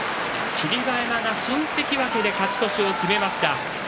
霧馬山が新関脇で勝ち越しを決めました。